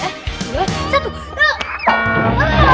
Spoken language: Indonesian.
aduh sakit duane